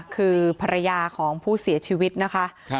คือภรรยาของผู้เสียชีวิตนะคะ